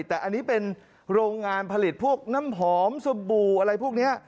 แต่อันนี้เป็นโรงงานผลิตพวกน้ำหอมสบู่อะไรพวกนี้